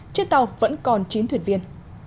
chiếc tàu vẫn còn chín thuyền viên